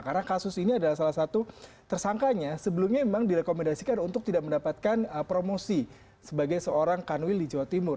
karena kasus ini adalah salah satu tersangkanya sebelumnya memang direkomendasikan untuk tidak mendapatkan promosi sebagai seorang kanwil di jawa timur